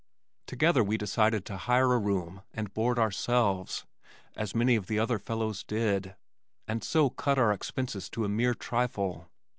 Together we decided to hire a room and board ourselves (as many of the other fellows did) and so cut our expenses to a mere trifle.